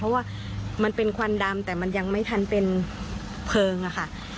เพราะว่ามันเป็นควันดำแต่มันยังไม่ทันเป็นเพลิงอะค่ะ